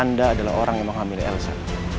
anda adalah orang yang menghamili elsa